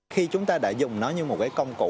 khi chúng ta đã dùng nó như một cái công cụ